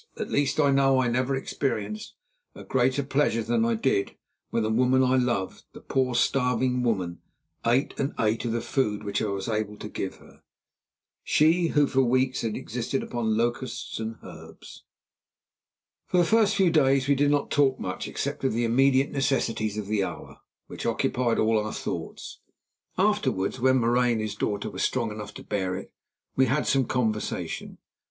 At least, I know I never experienced a greater pleasure than I did, when the woman I loved, the poor, starving woman, ate and ate of the food which I was able to give her—she who for weeks had existed upon locusts and herbs. For the first few days we did not talk much except of the immediate necessities of the hour, which occupied all our thoughts. Afterwards, when Marais and his daughter were strong enough to bear it, we had some conversation.